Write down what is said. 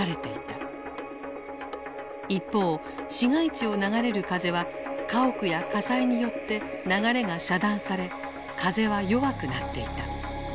一方市街地を流れる風は家屋や火災によって流れが遮断され風は弱くなっていた。